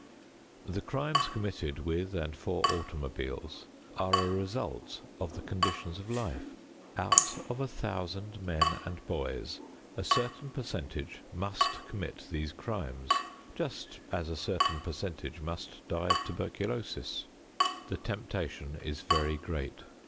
The crimes committed with and for automobiles are a result of the conditions of life. Out of a thousand men and boys, a certain percentage must commit these crimes just as a certain percentage must die of tuberculosis. The temptation is very great.